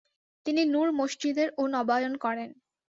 তিনি নূর মসজিদের ও নবায়ন করেন।